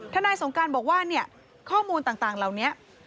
นายสงการบอกว่าข้อมูลต่างเหล่านี้